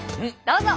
どうぞ。